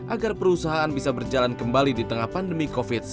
agar perusahaan bisa berjalan kembali di tengah pandemi covid sembilan belas